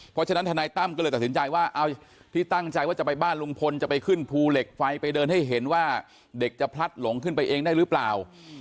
เพราะฉะนั้นทนายตั้มก็เลยตัดสินใจว่าเอาที่ตั้งใจว่าจะไปบ้านลุงพลจะไปขึ้นภูเหล็กไฟไปเดินให้เห็นว่าเด็กจะพลัดหลงขึ้นไปเองได้หรือเปล่า